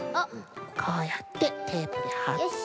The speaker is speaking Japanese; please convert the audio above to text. こうやってテープではって。